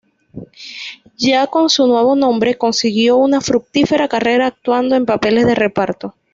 Ya con su nuevo nombre, consiguió una fructífera carrera actuando en papeles de reparto.